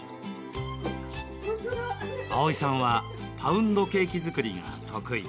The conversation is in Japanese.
葵さんはパウンドケーキ作りが得意。